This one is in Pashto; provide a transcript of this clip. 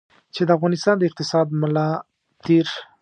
چې د افغانستان د اقتصاد ملا تېر.